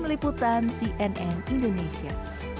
tim liputan cnn indonesia